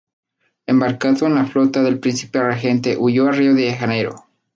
Embarcado en la flota del príncipe regente huyó a Río de Janeiro.